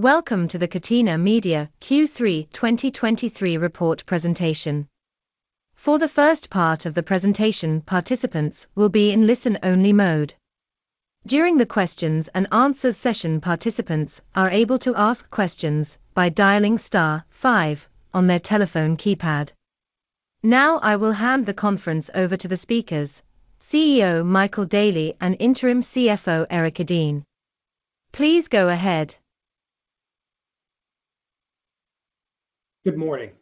Welcome to the Catena Media Q3 2023 report presentation. For the first part of the presentation, participants will be in listen-only mode. During the questions and answers session, participants are able to ask questions by dialing star five on their telephone keypad. Now, I will hand the conference over to the speakers, CEO Michael Daly and Interim CFO Erik Edeen. Please go ahead. Good morning.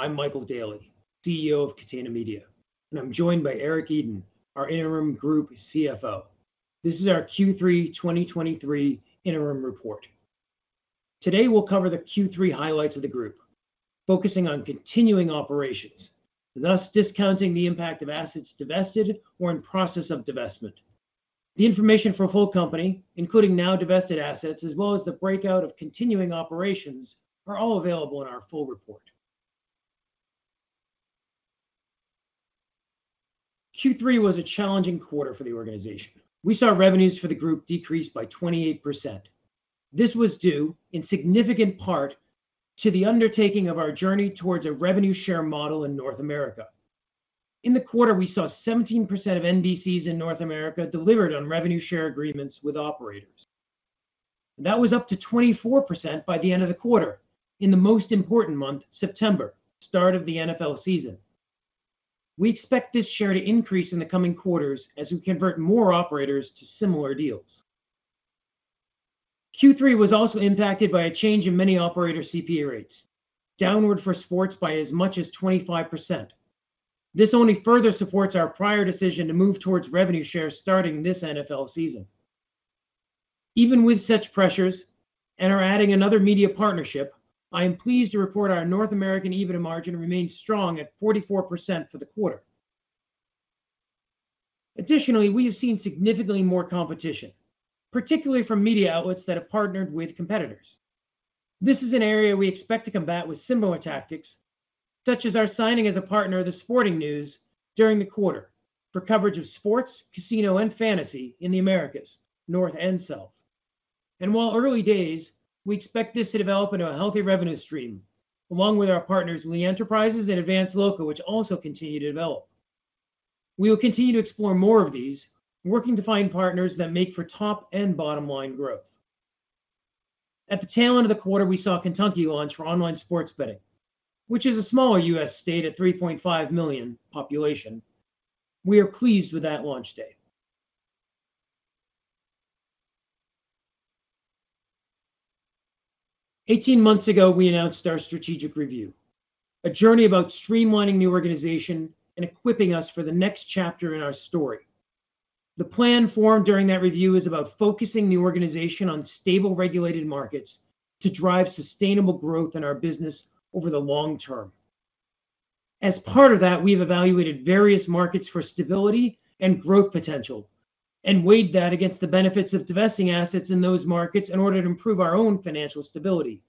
I'm Michael Daly, CEO of Catena Media, and I'm joined by Erik Edeen, our Interim Group CFO. This is our Q3 2023 interim report. Today, we'll cover the Q3 highlights of the group, focusing on continuing operations, thus discounting the impact of assets divested or in process of divestment. The information for full company, including now divested assets, as well as the breakout of continuing operations, are all available in our full report. Q3 was a challenging quarter for the organization. We saw revenues for the group decrease by 28%. This was due in significant part to the undertaking of our journey towards a revenue share model in North America. In the quarter, we saw 17% of NDCs in North America delivered on revenue share agreements with operators, and that was up to 24% by the end of the quarter, in the most important month, September, start of the NFL season. We expect this share to increase in the coming quarters as we convert more operators to similar deals. Q3 was also impacted by a change in many operator CPA rates, downward for sports by as much as 25%. This only further supports our prior decision to move towards revenue shares starting this NFL season. Even with such pressures and are adding another media partnership, I am pleased to report our North American EBITDA margin remains strong at 44% for the quarter. Additionally, we have seen significantly more competition, particularly from media outlets that have partnered with competitors. This is an area we expect to combat with similar tactics, such as our signing as a partner of The Sporting News during the quarter for coverage of sports, casino, and fantasy in the Americas, North and South. And while early days, we expect this to develop into a healthy revenue stream, along with our partners, Lee Enterprises and Advance Local, which also continue to develop. We will continue to explore more of these, working to find partners that make for top and bottom line growth. At the tail end of the quarter, we saw Kentucky launch for online sports betting, which is a smaller U.S. state at 3.5 million population. We are pleased with that launch date. Eighteen months ago, we announced our strategic review, a journey about streamlining the organization and equipping us for the next chapter in our story. The plan formed during that review is about focusing the organization on stable, regulated markets to drive sustainable growth in our business over the long term. As part of that, we've evaluated various markets for stability and growth potential, and weighed that against the benefits of divesting assets in those markets in order to improve our own financial stability.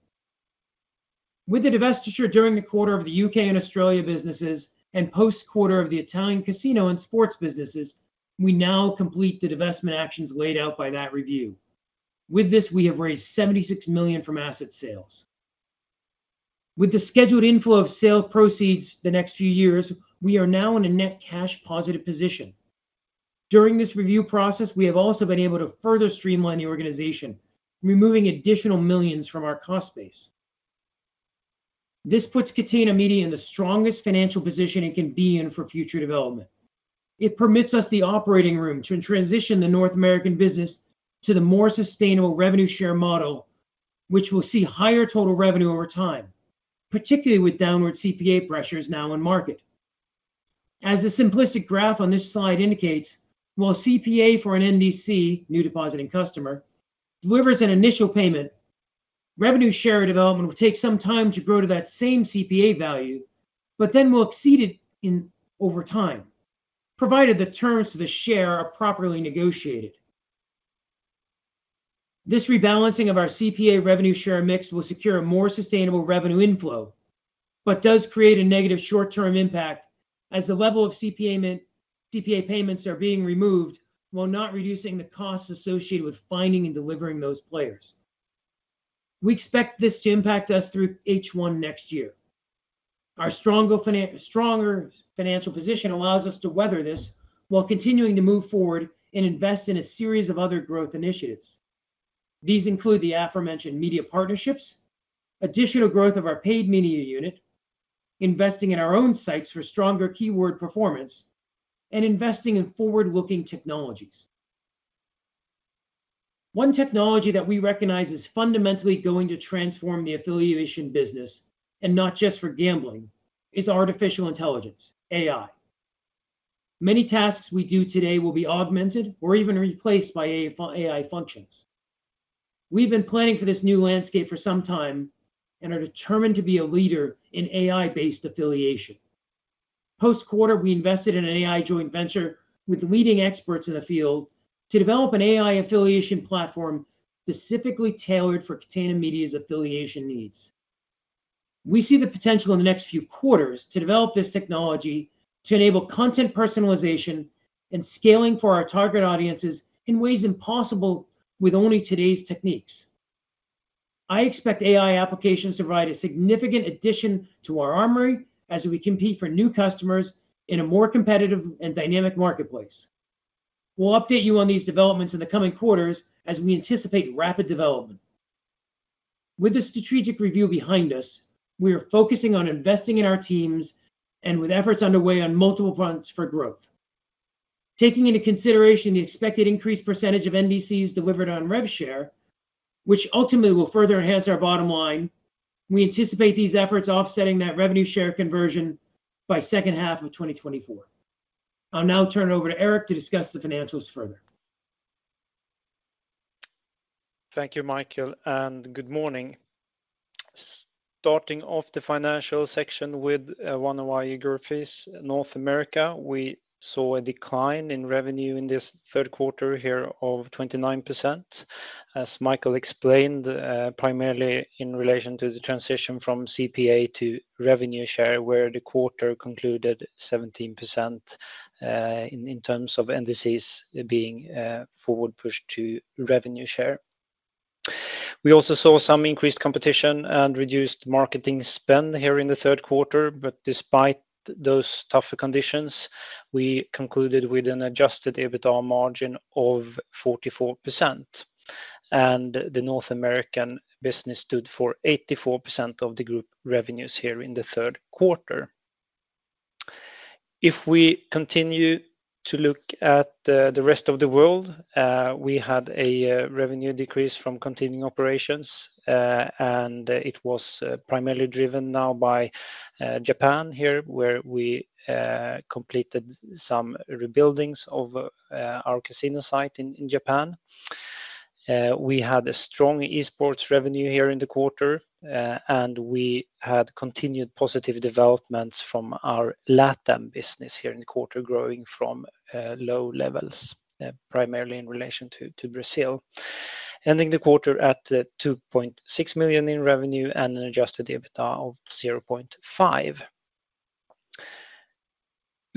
With the divestiture during the quarter of the U.K. and Australia businesses and post-quarter of the Italian casino and sports businesses, we now complete the divestment actions laid out by that review. With this, we have raised 76 million from asset sales. With the scheduled inflow of sales proceeds the next few years, we are now in a net cash positive position. During this review process, we have also been able to further streamline the organization, removing additional millions from our cost base. This puts Catena Media in the strongest financial position it can be in for future development. It permits us the operating room to transition the North American business to the more sustainable revenue share model, which will see higher total revenue over time, particularly with downward CPA pressures now on market. As the simplistic graph on this slide indicates, while CPA for an NDC, new depositing customer, delivers an initial payment, revenue share development will take some time to grow to that same CPA value, but then will exceed it over time, provided the terms of the share are properly negotiated. This rebalancing of our CPA revenue share mix will secure a more sustainable revenue inflow, but does create a negative short-term impact as the level of CPA payments are being removed, while not reducing the costs associated with finding and delivering those players. We expect this to impact us through H1 next year. Our stronger financial position allows us to weather this while continuing to move forward and invest in a series of other growth initiatives. These include the aforementioned media partnerships, additional growth of our paid media unit, investing in our own sites for stronger keyword performance, and investing in forward-looking technologies. One technology that we recognize is fundamentally going to transform the affiliation business, and not just for gambling, is artificial intelligence, AI. Many tasks we do today will be augmented or even replaced by AI, AI functions. We've been planning for this new landscape for some time and are determined to be a leader in AI-based affiliation. Post-quarter, we invested in an AI joint venture with leading experts in the field to develop an AI affiliation platform specifically tailored for Catena Media's affiliation needs.... We see the potential in the next few quarters to develop this technology to enable content personalization and scaling for our target audiences in ways impossible with only today's techniques. I expect AI applications to provide a significant addition to our armory as we compete for new customers in a more competitive and dynamic marketplace. We'll update you on these developments in the coming quarters as we anticipate rapid development. With this strategic review behind us, we are focusing on investing in our teams and with efforts underway on multiple fronts for growth. Taking into consideration the expected increased percentage of NDCs delivered on rev share, which ultimately will further enhance our bottom line, we anticipate these efforts offsetting that revenue share conversion by second half of 2024. I'll now turn it over to Erik to discuss the financials further. Thank you, Michael, and good morning. Starting off the financial section with one of our geographies, North America, we saw a decline in revenue in this third quarter here of 29%. As Michael explained, primarily in relation to the transition from CPA to revenue share, where the quarter concluded 17% in terms of NDCs being forward pushed to revenue share. We also saw some increased competition and reduced marketing spend here in the third quarter, but despite those tougher conditions, we concluded with an adjusted EBITDA margin of 44%, and the North American business stood for 84% of the group revenues here in the third quarter. If we continue to look at the rest of the world, we had a revenue decrease from continuing operations, and it was primarily driven now by Japan here, where we completed some rebuildings of our casino site in Japan. We had a strong esports revenue here in the quarter, and we had continued positive developments from our LATAM business here in the quarter, growing from low levels, primarily in relation to Brazil, ending the quarter at 2.6 million in revenue and an adjusted EBITDA of 0.5 million.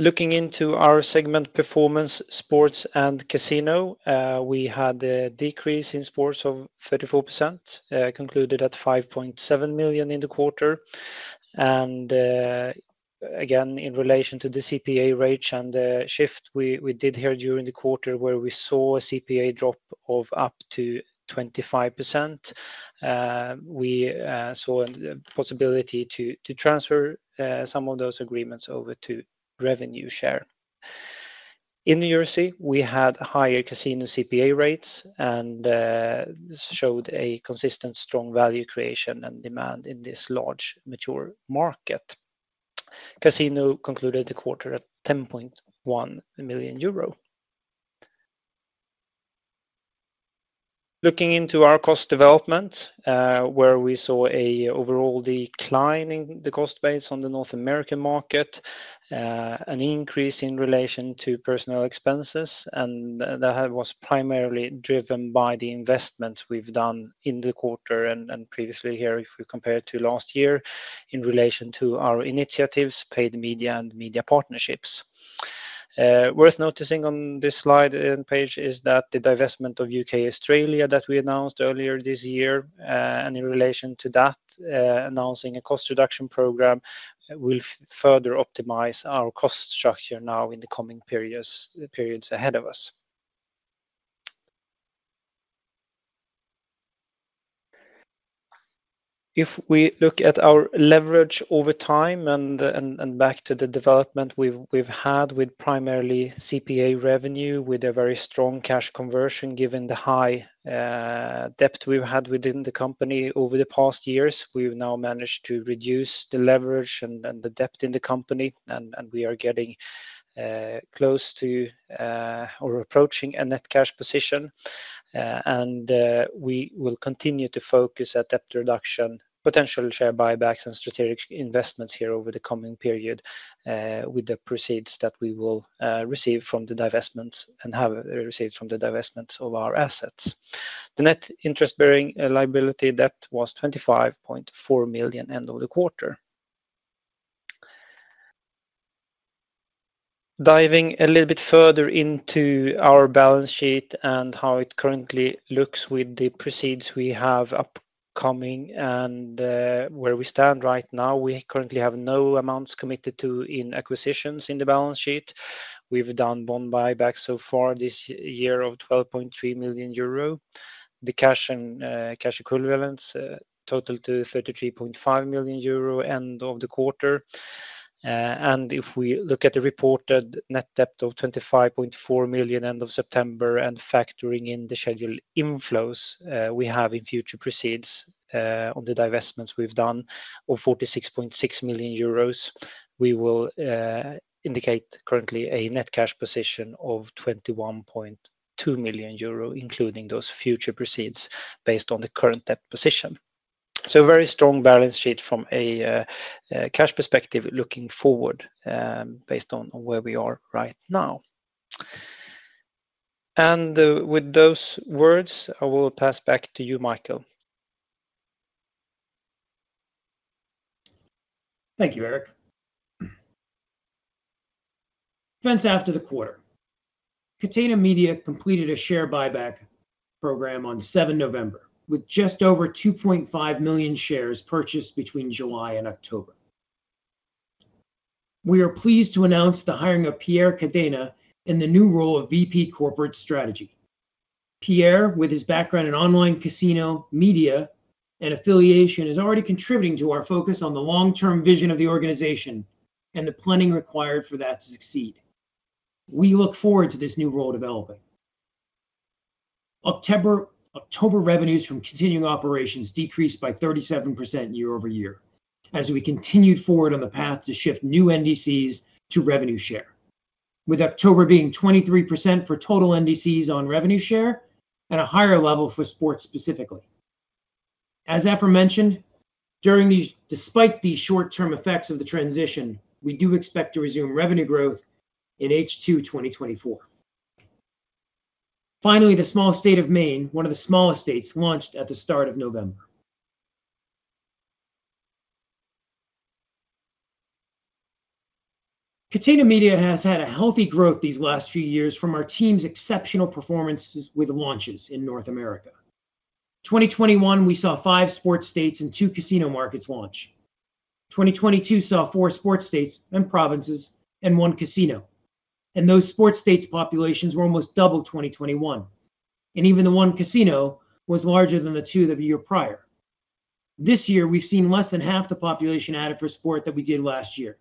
Looking into our segment performance, sports and casino, we had a decrease in sports of 34%, concluded at 5.7 million in the quarter. Again, in relation to the CPA rate and the shift we did here during the quarter, where we saw a CPA drop of up to 25%, we saw a possibility to transfer some of those agreements over to revenue share. In the U.S., we had higher casino CPA rates and this showed a consistent strong value creation and demand in this large mature market. Casino concluded the quarter at 10.1 million euro. Looking into our cost development, where we saw an overall decline in the cost base on the North American market, an increase in relation to personnel expenses, and that was primarily driven by the investments we've done in the quarter and previously here, if we compare it to last year, in relation to our initiatives, paid media and media partnerships. Worth noticing on this slide and page is that the divestment of U.K., Australia that we announced earlier this year, and in relation to that, announcing a cost reduction program, will further optimize our cost structure now in the coming periods ahead of us. If we look at our leverage over time and back to the development we've had with primarily CPA revenue, with a very strong cash conversion, given the high debt we've had within the company over the past years, we've now managed to reduce the leverage and the debt in the company, and we are getting close to or approaching a net cash position. We will continue to focus at debt reduction, potential share buybacks and strategic investments here over the coming period, with the proceeds that we will receive from the divestments and have received from the divestments of our assets. The net interest-bearing liability debt was 25.4 million end of the quarter. Diving a little bit further into our balance sheet and how it currently looks with the proceeds we have upcoming and where we stand right now, we currently have no amounts committed to in acquisitions in the balance sheet. We've done bond buyback so far this year of 12.3 million euro. The cash and cash equivalents total to 33.5 million euro end of the quarter. And if we look at the reported net debt of 25.4 million end of September and factoring in the scheduled inflows, we have in future proceeds on the divestments we've done of 46.6 million euros, we will indicate currently a net cash position of 21.2 million euro, including those future proceeds based on the current debt position. So a very strong balance sheet from a cash perspective looking forward, based on where we are right now. And with those words, I will pass back to you, Michael. Thank you, Erik. Events after the quarter. Catena Media completed a share buyback program on seventh November, with just over 2.5 million shares purchased between July and October. We are pleased to announce the hiring of Pierre Cadena in the new role of VP Corporate Strategy. Pierre, with his background in online casino, media, and affiliation, is already contributing to our focus on the long-term vision of the organization and the planning required for that to succeed. We look forward to this new role developing. October, October revenues from continuing operations decreased by 37% year-over-year, as we continued forward on the path to shift new NDCs to revenue share, with October being 23% for total NDCs on revenue share and a higher level for sports specifically. As aforementioned, during these, despite these short-term effects of the transition, we do expect to resume revenue growth in H2 2024. Finally, the small state of Maine, one of the smallest states, launched at the start of November. Catena Media has had a healthy growth these last few years from our team's exceptional performances with launches in North America. 2021, we saw five sports states and two casino markets launch. 2022 saw four sports states and provinces and one casino, and those sports states' populations were almost double 2021, and even the one casino was larger than the two the year prior. This year, we've seen less than half the population added for sport than we did last year,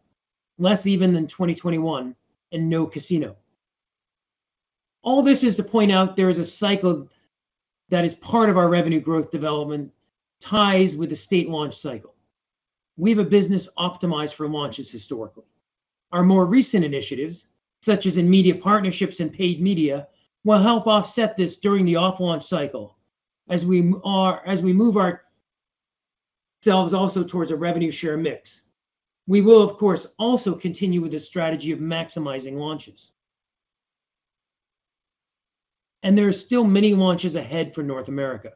less even than 2021, and no casino. All this is to point out there is a cycle that is part of our revenue growth development ties with the state launch cycle. We have a business optimized for launches historically. Our more recent initiatives, such as in media partnerships and paid media, will help offset this during the off-launch cycle as we move ourselves also towards a revenue share mix. We will, of course, also continue with the strategy of maximizing launches. There are still many launches ahead for North America.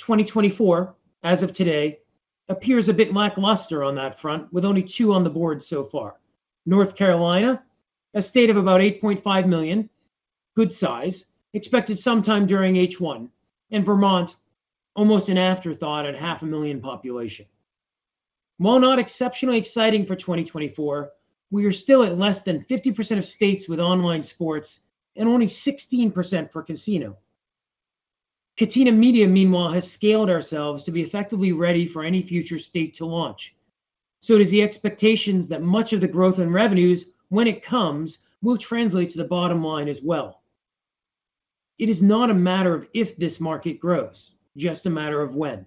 2024, as of today, appears a bit lackluster on that front, with only two on the board so far. North Carolina, a state of about 8.5 million, good size, expected sometime during H1, and Vermont, almost an afterthought at 500,000 population. While not exceptionally exciting for 2024, we are still at less than 50% of states with online sports and only 16% for casino. Catena Media, meanwhile, has scaled ourselves to be effectively ready for any future state to launch. So does the expectations that much of the growth in revenues, when it comes, will translate to the bottom line as well. It is not a matter of if this market grows, just a matter of when.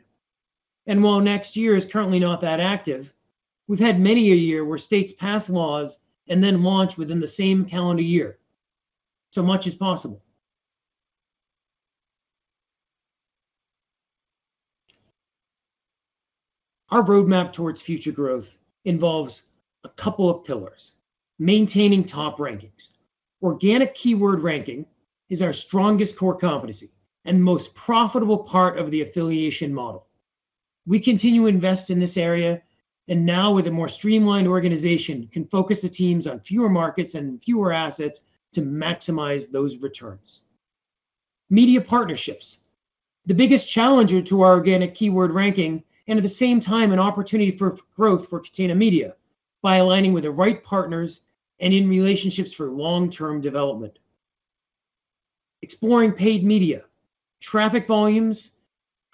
And while next year is currently not that active, we've had many a year where states pass laws and then launch within the same calendar year, so much is possible. Our roadmap towards future growth involves a couple of pillars: maintaining top rankings. Organic keyword ranking is our strongest core competency and most profitable part of the affiliation model. We continue to invest in this area, and now with a more streamlined organization, can focus the teams on fewer markets and fewer assets to maximize those returns. Media partnerships. The biggest challenger to our Organic keyword ranking, and at the same time, an opportunity for growth for Catena Media by aligning with the right partners and in relationships for long-term development. Exploring paid media, traffic volumes,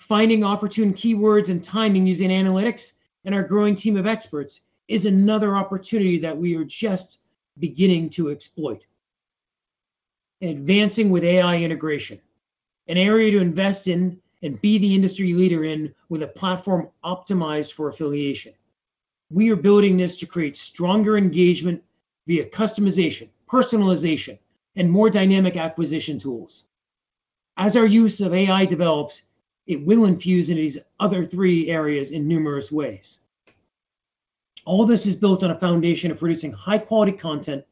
finding opportune keywords and timing using analytics and our growing team of experts is another opportunity that we are just beginning to exploit. Advancing with AI integration, an area to invest in and be the industry leader in with a platform optimized for affiliation. We are building this to create stronger engagement via customization, personalization, and more dynamic acquisition tools. As our use of AI develops, it will infuse in these other three areas in numerous ways. All this is built on a foundation of producing high-quality content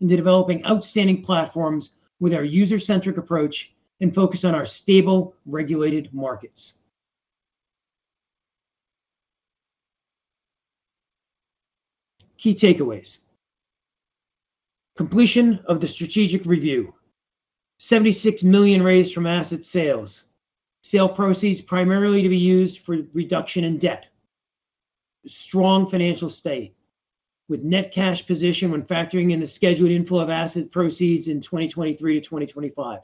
into developing outstanding platforms with our user-centric approach and focus on our stable, regulated markets. Key takeaways. Completion of the strategic review. 76 million raised from asset sales. Sale proceeds primarily to be used for reduction in debt. Strong financial state, with net cash position when factoring in the scheduled inflow of asset proceeds in 2023 to 2025.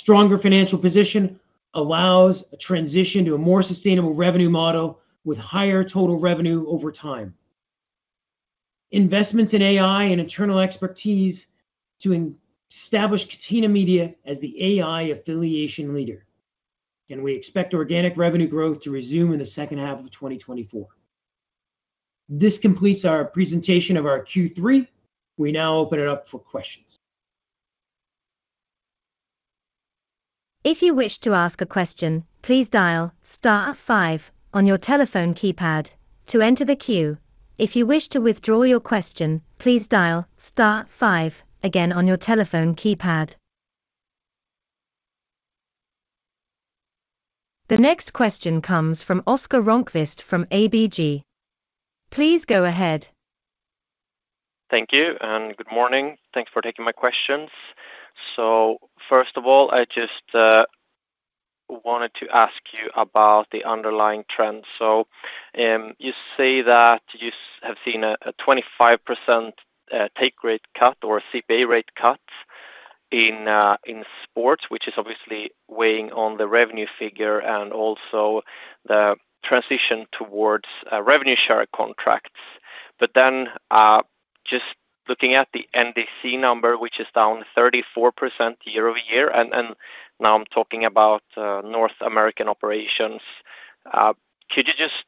Stronger financial position allows a transition to a more sustainable revenue model with higher total revenue over time. Investments in AI and internal expertise to establish Catena Media as the AI affiliation leader, and we expect organic revenue growth to resume in the second half of 2024. This completes our presentation of our Q3. We now open it up for questions.... If you wish to ask a question, please dial star five on your telephone keypad to enter the queue. If you wish to withdraw your question, please dial star five again on your telephone keypad. The next question comes from Oscar Rönnkvist from ABG. Please go ahead. Thank you, and good morning. Thanks for taking my questions. So first of all, I just wanted to ask you about the underlying trends. So, you say that you have seen a 25% take rate cut or CPA rate cut in sports, which is obviously weighing on the revenue figure and also the transition towards revenue share contracts. But then, just looking at the NDC number, which is down 34% year-over-year, and now I'm talking about North American operations. Could you just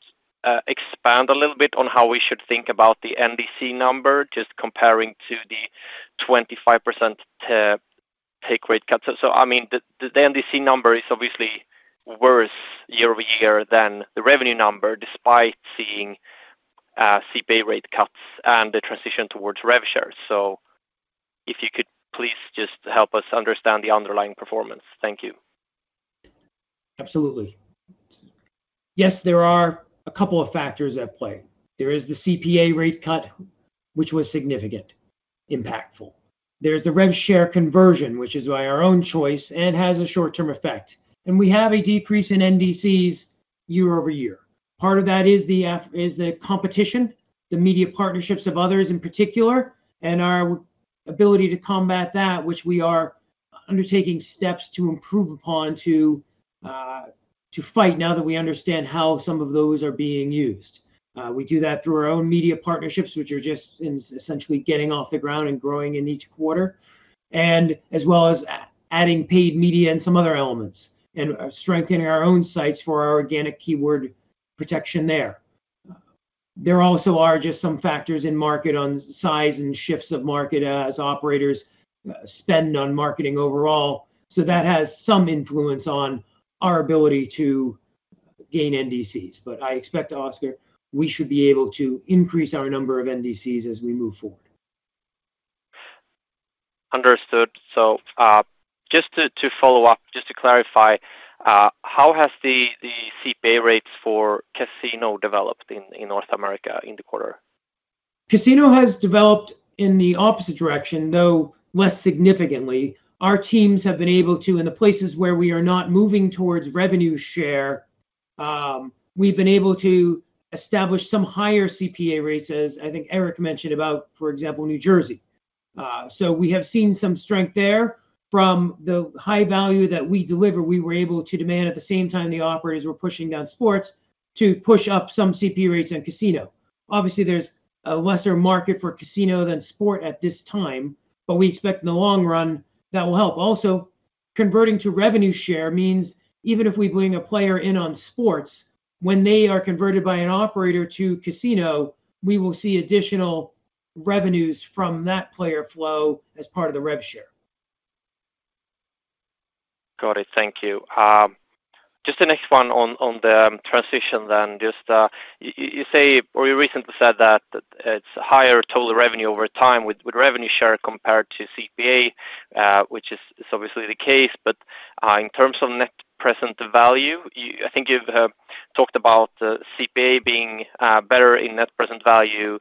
expand a little bit on how we should think about the NDC number, just comparing to the 25% take rate cut? So, I mean, the NDC number is obviously worse year-over-year than the revenue number, despite seeing CPA rate cuts and the transition towards rev shares. If you could please just help us understand the underlying performance. Thank you. Absolutely. Yes, there are a couple of factors at play. There is the CPA rate cut, which was significant, impactful. There's the rev share conversion, which is by our own choice and has a short-term effect. And we have a decrease in NDCs year over year. Part of that is the competition, the media partnerships of others in particular, and our ability to combat that, which we are undertaking steps to improve upon to fight now that we understand how some of those are being used. We do that through our own media partnerships, which are just in essentially getting off the ground and growing in each quarter, and as well as adding paid media and some other elements, and strengthening our own sites for our organic keyword protection there. There also are just some factors in market on size and shifts of market as operators spend on marketing overall. So that has some influence on our ability to gain NDCs. But I expect, Oscar, we should be able to increase our number of NDCs as we move forward. Understood. So, just to follow up, just to clarify, how has the CPA rates for casino developed in North America in the quarter? Casino has developed in the opposite direction, though less significantly. Our teams have been able to, in the places where we are not moving towards revenue share, we've been able to establish some higher CPA rates, as I think Erik mentioned about, for example, New Jersey. So we have seen some strength there. From the high value that we deliver, we were able to demand, at the same time, the operators were pushing down sports to push up some CPA rates on casino. Obviously, there's a lesser market for casino than sport at this time, but we expect in the long run, that will help. Also, converting to revenue share means even if we bring a player in on sports, when they are converted by an operator to casino, we will see additional revenues from that player flow as part of the rev share. Got it. Thank you. Just the next one on the transition then. Just, you say, or you recently said that it's higher total revenue over time with revenue share compared to CPA, which is obviously the case. But, in terms of net present value, you... I think you've talked about CPA being better in net present value,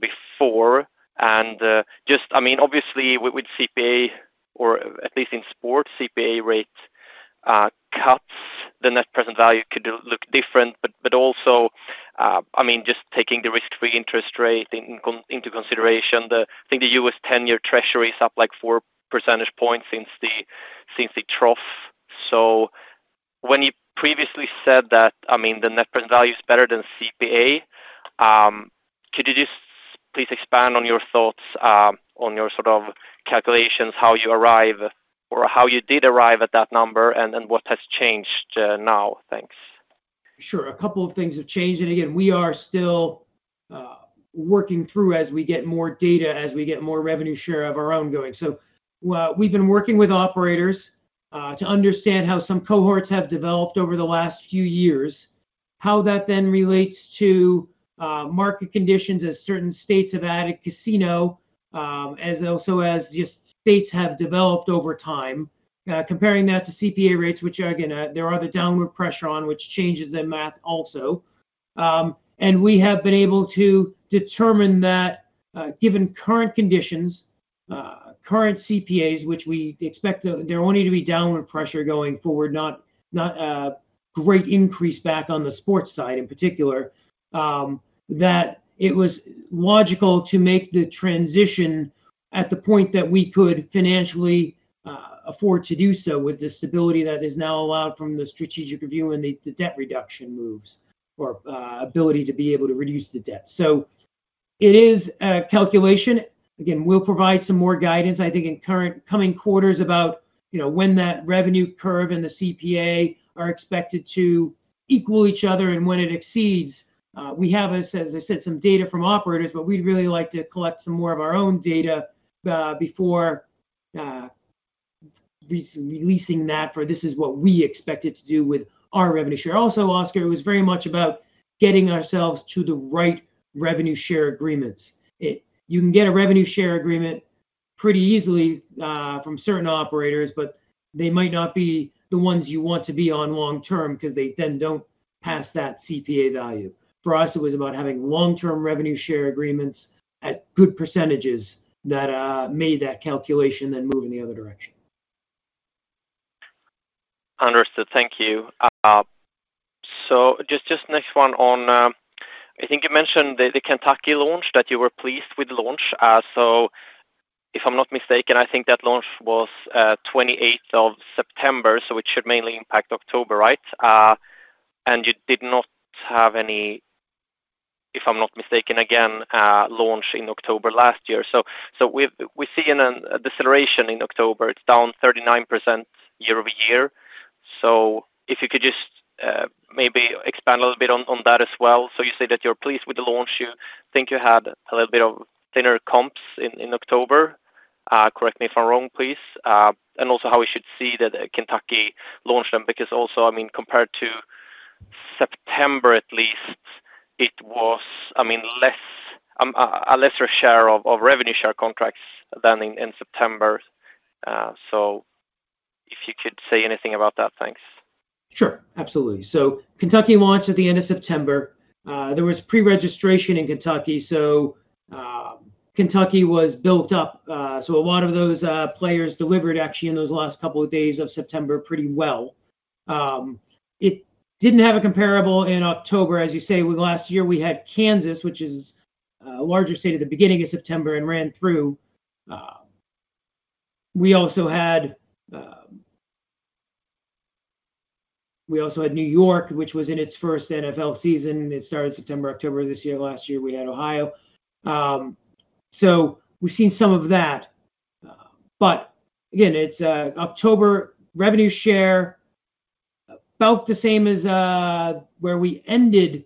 before. And, just, I mean, obviously, with CPA, or at least in sports, CPA rate cuts, the net present value could look different. But, also, I mean, just taking the risk-free interest rate into consideration, I think the U.S. 10-year Treasury is up like four percentage points since the trough. So when you previously said that, I mean, the net present value is better than CPA, could you just please expand on your thoughts, on your sort of calculations, how you arrive, or how you did arrive at that number, and then what has changed, now? Thanks. Sure. A couple of things have changed, and again, we are still working through as we get more data, as we get more revenue share of our own going. So, well, we've been working with operators to understand how some cohorts have developed over the last few years, how that then relates to market conditions as certain states have added casino, as also as just states have developed over time, comparing that to CPA rates, which again, there are the downward pressure on, which changes the math also. And we have been able to determine that, given current conditions, current CPAs, which we expect there only to be downward pressure going forward, not, not a great increase back on the sports side in particular, that it was logical to make the transition at the point that we could financially afford to do so with the stability that is now allowed from the strategic review and the, the debt reduction moves or, ability to be able to reduce the debt. So it is a calculation. Again, we'll provide some more guidance, I think, in coming quarters about, you know, when that revenue curve and the CPA are expected to equal each other and when it exceeds. We have, as I said, some data from operators, but we'd really like to collect some more of our own data, before... Releasing that, for this is what we expected to do with our revenue share. Also, Oscar, it was very much about getting ourselves to the right revenue share agreements. It. You can get a revenue share agreement pretty easily from certain operators, but they might not be the ones you want to be on long-term because they then don't pass that CPA value. For us, it was about having long-term revenue share agreements at good percentages that made that calculation, then move in the other direction. Understood. Thank you. So just, just next one on, I think you mentioned the Kentucky launch, that you were pleased with the launch. So if I'm not mistaken, I think that launch was, 28th of September, so it should mainly impact October, right? And you did not have any, if I'm not mistaken, again, launch in October last year. So, we've seen a deceleration in October. It's down 39% year-over-year. So if you could just, maybe expand a little bit on that as well. So you say that you're pleased with the launch. You think you had a little bit of thinner comps in October? Correct me if I'm wrong, please. And also how we should see that Kentucky launch them, because also, I mean, compared to September, at least, it was, I mean, a lesser share of revenue share contracts than in September. So if you could say anything about that? Thanks. Sure. Absolutely. So Kentucky launched at the end of September. There was pre-registration in Kentucky, so Kentucky was built up. So a lot of those players delivered actually in those last couple of days of September pretty well. It didn't have a comparable in October, as you say, with last year, we had Kansas, which is a larger state at the beginning of September and ran through. We also had New York, which was in its first NFL season. It started September, October this year. Last year, we had Ohio. So we've seen some of that. But again, it's October revenue share, about the same as where we ended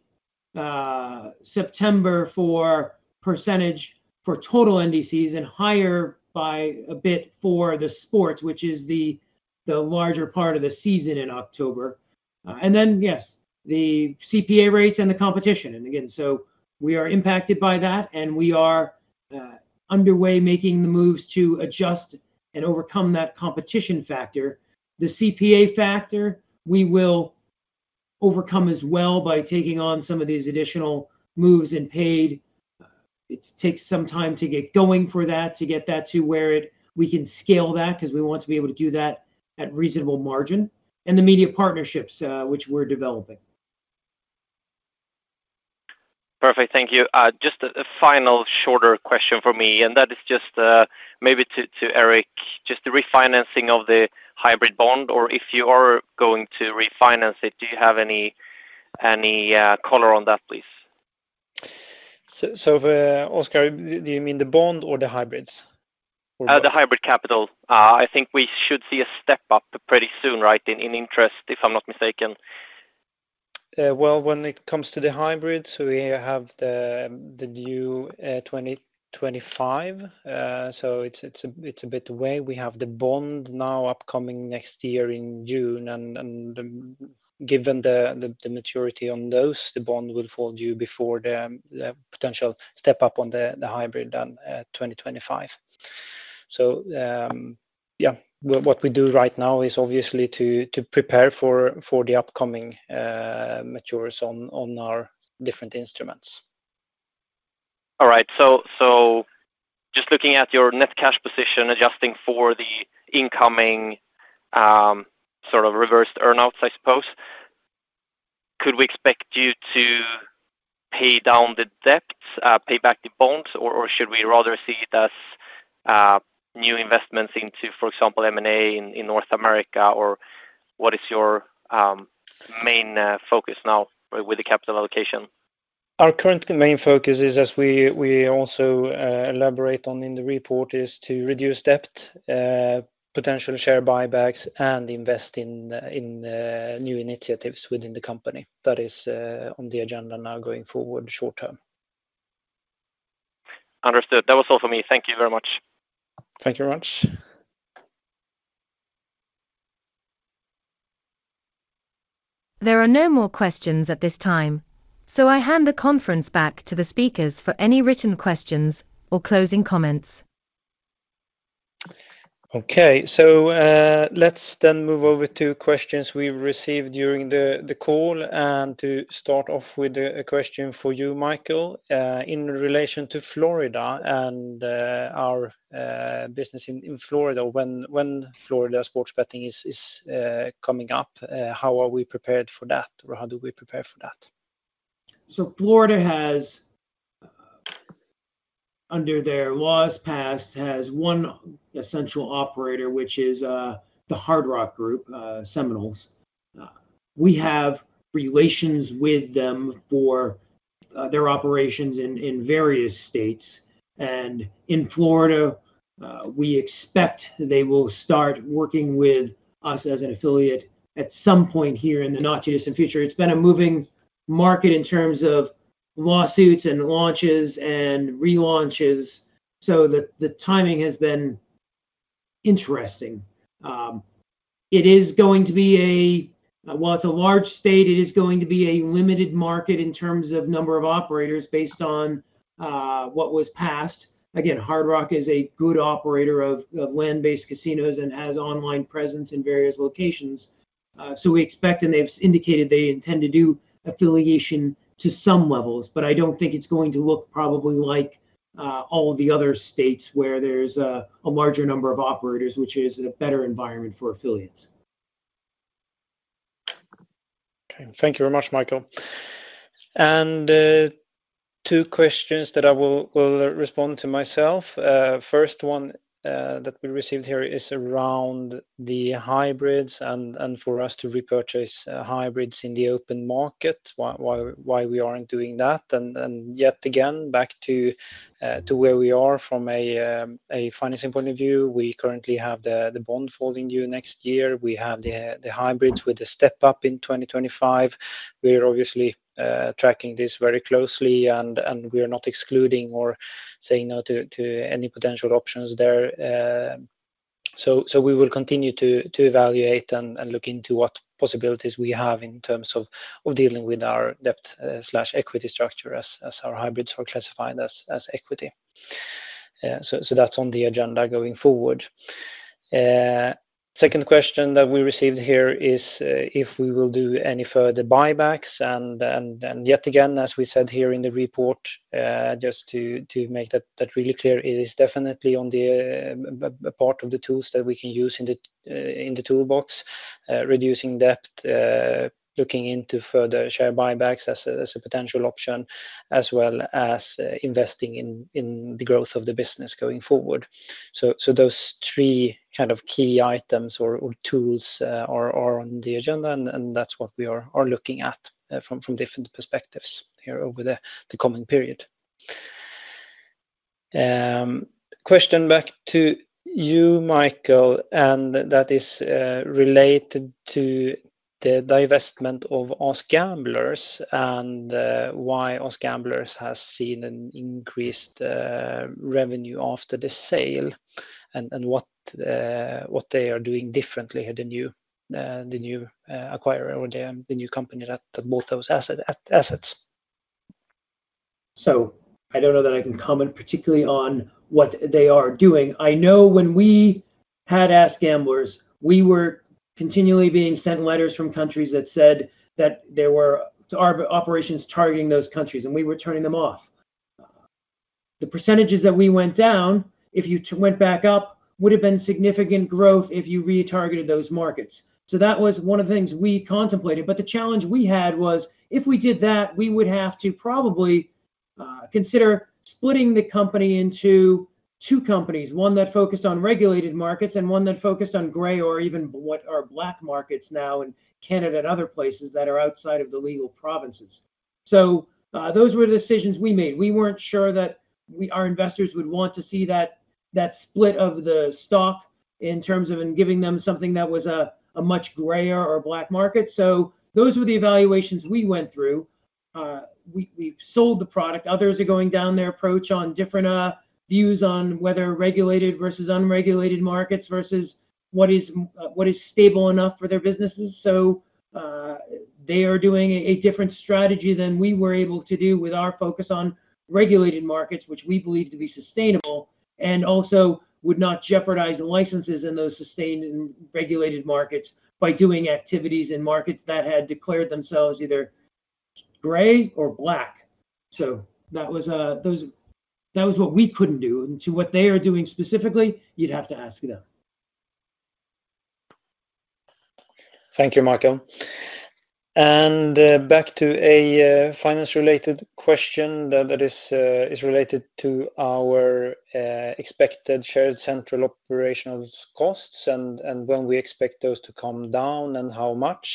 September for percentage for total NDCs and higher by a bit for the sports, which is the larger part of the season in October. and then, yes, the CPA rates and the competition. And again, so we are impacted by that, and we are underway, making the moves to adjust and overcome that competition factor. The CPA factor, we will overcome as well by taking on some of these additional moves in paid. It takes some time to get going for that, to get that to where it, we can scale that because we want to be able to do that at reasonable margin, and the media partnerships, which we're developing. Perfect. Thank you. Just a final shorter question from me, and that is just maybe to Erik, just the refinancing of the hybrid bond, or if you are going to refinance it, do you have any color on that, please? So, Oscar, do you mean the bond or the hybrids? The Hybrid Capital. I think we should see a step up pretty soon, right, in interest, if I'm not mistaken. Well, when it comes to the hybrids, we have the new 2025. So it's a bit away. We have the bond now upcoming next year in June, and given the maturity on those, the bond will fall due before the potential step up on the hybrid on 2025. So, yeah, what we do right now is obviously to prepare for the upcoming maturities on our different instruments. All right. So just looking at your net cash position, adjusting for the incoming sort of reversed earn-outs, I suppose, could we expect you to pay down the debts, pay back the bonds, or should we rather see it as new investments into, for example, M&A in North America, or what is your main focus now with the capital allocation? Our current main focus is, as we also elaborate on in the report, to reduce debt, potential share buybacks, and invest in new initiatives within the company. That is on the agenda now going forward short term. Understood. That was all for me. Thank you very much. Thank you very much. There are no more questions at this time, so I hand the conference back to the speakers for any written questions or closing comments. Okay. So, let's then move over to questions we received during the call. And to start off with a question for you, Michael. In relation to Florida and our business in Florida, when Florida sports betting is coming up, how are we prepared for that, or how do we prepare for that? Florida has, under their laws passed, one essential operator, which is the Hard Rock Group, Seminoles. We have relations with them for their operations in various states. In Florida, we expect they will start working with us as an affiliate at some point here in the not too distant future. It's been a moving market in terms of lawsuits and launches and relaunches, so the timing has been interesting. It is going to be, while it's a large state, a limited market in terms of number of operators based on what was passed. Again, Hard Rock is a good operator of land-based casinos and has online presence in various locations. So we expect, and they've indicated they intend to do affiliation to some levels, but I don't think it's going to look probably like all of the other states where there's a larger number of operators, which is a better environment for affiliates. Okay. Thank you very much, Michael. And two questions that I will respond to myself. First one that we received here is around the hybrids and for us to repurchase hybrids in the open market, why we aren't doing that? And yet again, back to where we are from a financing point of view. We currently have the bond falling due next year. We have the hybrids with the step up in 2025. We're obviously tracking this very closely, and we are not excluding or saying no to any potential options there. So we will continue to evaluate and look into what possibilities we have in terms of dealing with our debt slash equity structure as our hybrids are classified as equity. So that's on the agenda going forward. Second question that we received here is if we will do any further buybacks. And yet again, as we said here in the report, just to make that really clear, it is definitely on the part of the tools that we can use in the toolbox. Reducing debt, looking into further share buybacks as a potential option, as well as investing in the growth of the business going forward. So those three kind of key items or tools are on the agenda, and that's what we are looking at from different perspectives here over the coming period. Question back to you, Michael, and that is related to the divestment of AskGamblers and why AskGamblers has seen an increased revenue after the sale, and what they are doing differently at the new acquirer or the new company that bought those assets. So I don't know that I can comment particularly on what they are doing. I know when we had AskGamblers, we were continually being sent letters from countries that said that there were our operations targeting those countries, and we were turning them off. The percentages that we went down, if you went back up, would have been significant growth if you retargeted those markets. So that was one of the things we contemplated. But the challenge we had was, if we did that, we would have to probably consider splitting the company into two companies, one that focused on regulated markets and one that focused on gray or even what are black markets now in Canada and other places that are outside of the legal provinces. So those were the decisions we made. We weren't sure that our investors would want to see that, that split of the stock in terms of giving them something that was a much grayer or black market. So those were the evaluations we went through. We've sold the product. Others are going down their approach on different views on whether regulated versus unregulated markets, versus what is stable enough for their businesses. So, they are doing a different strategy than we were able to do with our focus on regulated markets, which we believe to be sustainable, and also would not jeopardize the licenses in those sustained and regulated markets by doing activities in markets that had declared themselves either gray or black. So that was what we couldn't do. And to what they are doing specifically, you'd have to ask them. Thank you, Michael. And back to a finance-related question that is related to our expected shared central operational costs and when we expect those to come down and how much.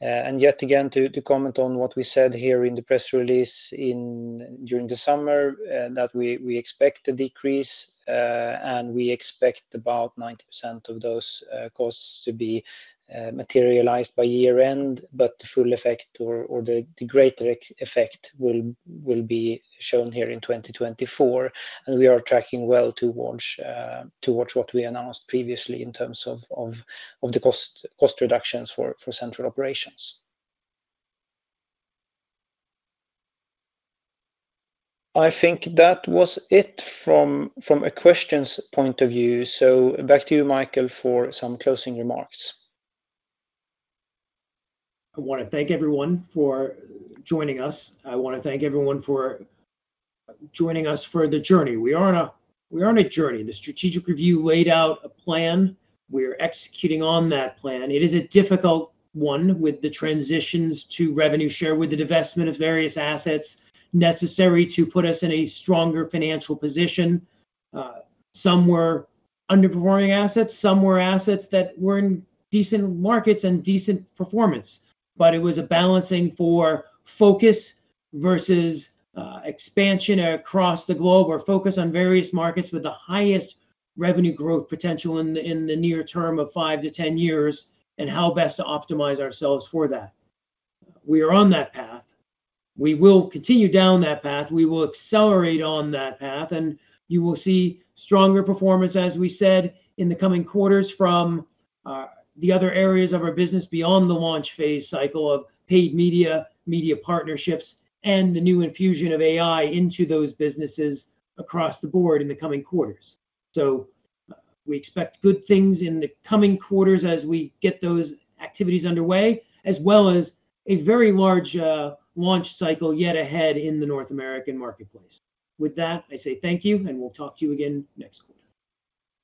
And yet again, to comment on what we said here in the press release during the summer, that we expect to decrease, and we expect about 90% of those costs to be materialized by year end, but the full effect or the greater effect will be shown here in 2024. And we are tracking well towards what we announced previously in terms of the cost reductions for central operations. I think that was it from a questions point of view. So back to you, Michael, for some closing remarks. I want to thank everyone for joining us. I want to thank everyone for joining us for the journey. We are on a journey. The strategic review laid out a plan. We are executing on that plan. It is a difficult one with the transitions to revenue share, with the divestment of various assets necessary to put us in a stronger financial position. Some were underperforming assets, some were assets that were in decent markets and decent performance, but it was a balancing for focus versus expansion across the globe, or focus on various markets with the highest revenue growth potential in the near term of five to ten years, and how best to optimize ourselves for that. We are on that path. We will continue down that path. We will accelerate on that path, and you will see stronger performance, as we said, in the coming quarters from the other areas of our business beyond the launch phase cycle of paid media, media partnerships, and the new infusion of AI into those businesses across the board in the coming quarters. So we expect good things in the coming quarters as we get those activities underway, as well as a very large launch cycle yet ahead in the North American marketplace. With that, I say thank you, and we'll talk to you again next quarter.